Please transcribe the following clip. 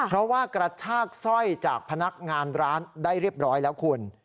เพราะว่ากระชากสร้อยจากพนักงานร้านได้เรียบร้อยแล้วคุณ